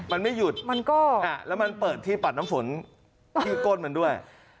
มันไม่หยุดมันก็แล้วมันเปิดที่ปัดน้ำฝนที่ก้นมันด้วย